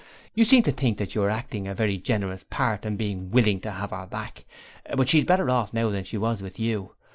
You seem to think that you are acting a very generous part in being "willing" to have her back, but she's better off now than she was with you.